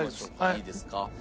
いいですか？